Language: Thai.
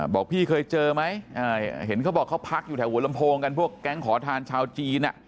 บอกพี่เคยเจอไหมเห็นเขาบอกเขาพักอยู่แถวหัวลำโพงกันพวกแก๊งขอทานชาวจีน